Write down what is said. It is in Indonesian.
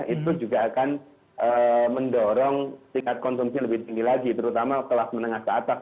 itu juga akan mendorong tingkat konsumsi lebih tinggi lagi terutama kelas menengah ke atas